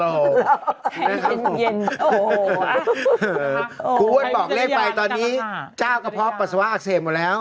ครูอ้วนโอ้โหครูอ้วนบอกเลขไปตอนนี้เจ้ากระเพาะปัสสาวะอักเสบหมดแล้ว